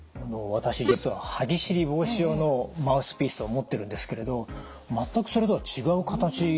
私実は歯ぎしり防止用のマウスピースを持っているんですけれど全くそれとは違う形ですね。